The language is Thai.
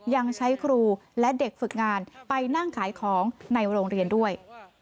ยังใช้ครูและเด็กฝึกงานไปนั่งขายของในโรงเรียนด้วย